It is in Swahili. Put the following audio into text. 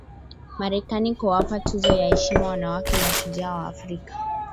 Marekani kuwapa tuzo ya heshima wanawake mashujaa wa Afrika